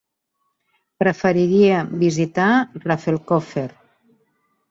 Preferiria visitar Rafelcofer.